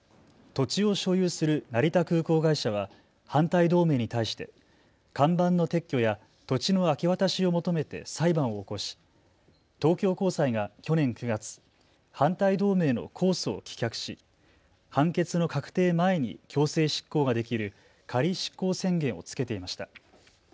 土地を所有する成田空港会社は反対同盟に対して看板の撤去や土地の明け渡しを求めて裁判を起こし東京高裁が去年９月、反対同盟の控訴を棄却し判決の確定前に強制執行ができる仮執行宣言を付けていました。